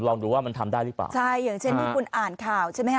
ลองดูว่ามันทำได้หรือเปล่าใช่อย่างเช่นที่คุณอ่านข่าวใช่ไหมฮ